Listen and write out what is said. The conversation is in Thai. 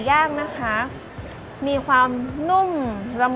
สวัสดีครับ